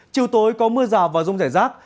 chiều tối có mưa rào và rông rải rác